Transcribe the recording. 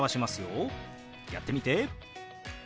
やってみて。